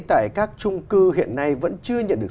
tại các trung cư hiện nay vẫn chưa nhận được